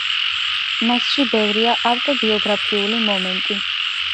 მასში ბევრია ავტობიოგრაფიული მომენტი.